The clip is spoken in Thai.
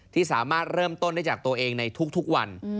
ที่สามารถเริ่มต้นได้จากตัวเองในทุกวัน